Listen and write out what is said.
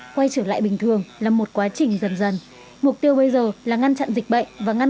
quay trở lại bình thường là một quá trình dần dần mục tiêu bây giờ là ngăn chặn dịch bệnh và ngăn